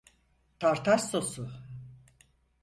Tartar sosu…